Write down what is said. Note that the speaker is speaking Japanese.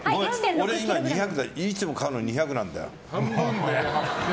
俺がいつも買うのは２００なんだよ。